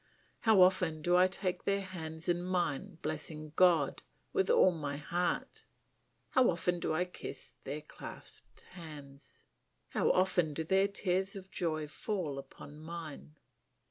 How often do I take their hands in mine blessing God with all my heart! How often do I kiss their clasped hands! How often do their tears of joy fall upon mine!